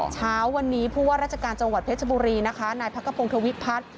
เช้าวันนี้ผู้ว่าราชการจังหวัดเพชรบุรีนะคะนายพักกระพงธวิพัฒน์